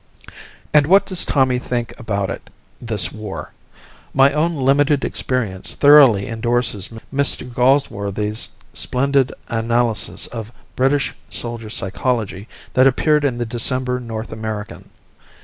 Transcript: And what does Tommy think about it this war? My own limited experience thoroughly indorses Mr. Galsworthy's splendid analysis of British soldier psychology that appeared in the December North American.